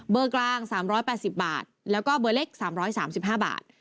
กลาง๓๘๐บาทแล้วก็เบอร์เล็ก๓๓๕บาท